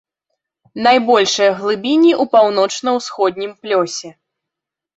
Найбольшыя глыбіні ў паўночна-ўсходнім плёсе.